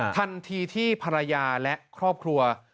ทันทีที่ภรรยาและครอบครัว